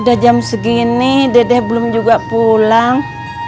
udah jam segini dedek belum juga pulang